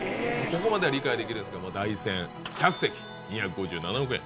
ここまでは理解できるんですけど台船１００隻２５７億円。